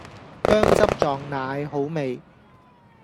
薑汁撞奶好味